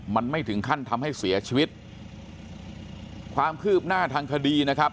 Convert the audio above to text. มันไม่ถึงขั้นทำให้เสียชีวิตความคืบหน้าทางคดีนะครับ